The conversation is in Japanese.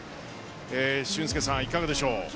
俊輔さん、いかがでしょう。